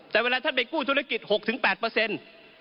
แต่เวลาท่านไปกู้ธุรกิจ๖๘เปอร์เซ็นต์